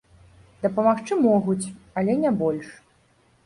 Дапамагчы могуць, але не больш.